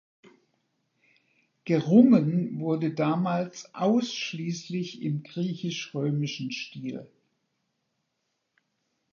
Gerungen wurde damals ausschließlich im griechisch-römischen Stil.